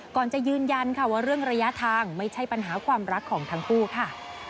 ก่อนจะยืนยันค่ะว่าเรื่องระยะทางไม่ใช่ปัญหาความรักของทั้งคู่ค่ะ